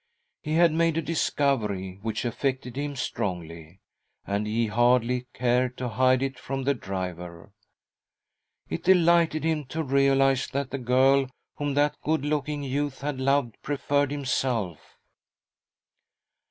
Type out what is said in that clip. He had made a discovery which affected him strongly, and he hardly cared to hide it from the driver. It delighted him to realise that the girl whom that good looking youth had loved preferred himself.